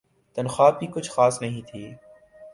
تنخواہ بھی کچھ خاص نہیں تھی ۔